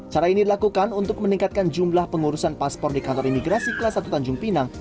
cara ini dilakukan untuk meningkatkan jumlah pengurusan paspor di kantor imigrasi kelas satu tanjung pinang